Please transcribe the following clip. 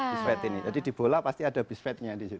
bispet ini jadi dibola pasti ada bispetnya disitu